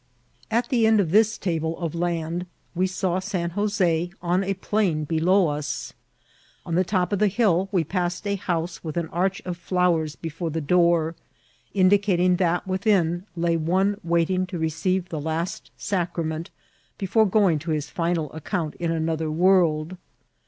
At the end of this table of land we saw San Jos6 on a plain below us. On the top of the hill we passed a house with an arch of flowers before the door, indica ting that within lay one waiting to receive the last sac rament before going to his final account in another world.